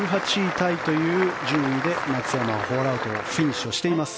タイという順位で松山はホールアウトフィニッシュしました。